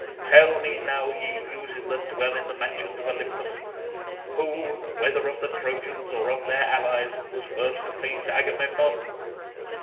Tell me now ye Muses that dwell in the mansions of Olympus, who, whether of the Trojans or of their allies, was first to face Agamemnon?